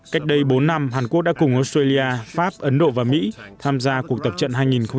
cách đây bốn năm hàn quốc đã cùng australia pháp ấn độ và mỹ tham gia cuộc tập trận hai nghìn một mươi chín